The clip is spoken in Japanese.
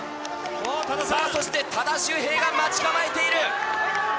さあ、そして多田修平が待ち構えている。